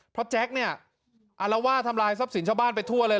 เพราะแจ็คเนี่ยอารวาสทำลายทรัพย์สินชาวบ้านไปทั่วเลย